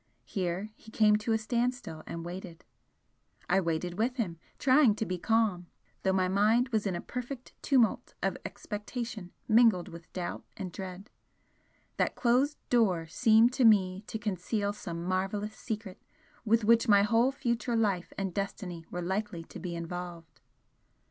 Here he came to a standstill and waited I waited with him, trying to be calm, though my mind was in a perfect tumult of expectation mingled with doubt and dread, that closed door seemed to me to conceal some marvellous secret with which my whole future life and destiny were likely to be involved.